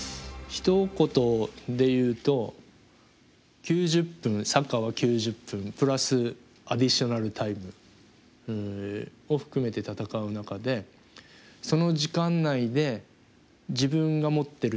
ひと言で言うと９０分サッカーは９０分プラスアディショナルタイムを含めて戦う中でその時間内で自分が持ってる力